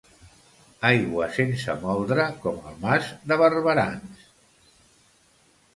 Aigua sense moldre, com al Mas de Barberans.